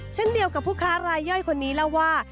เช่นเดียวกับผู้ค้ารายย่อยคนนี้เล่าว่า